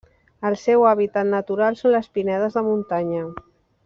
El seu hàbitat natural són les pinedes de muntanya.